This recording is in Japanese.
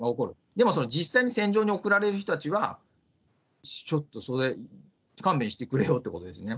でも実際に戦場に送られる人たちは、ちょっとそれ、勘弁してくれよってことですね。